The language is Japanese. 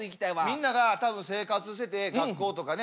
みんなが多分生活してて学校とかね